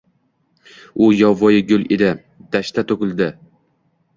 U yovvoyi gul edi: dashtda tugildi.